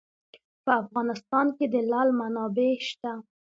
په افغانستان کې د لعل منابع شته.